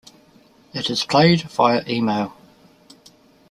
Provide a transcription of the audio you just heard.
It is played via email.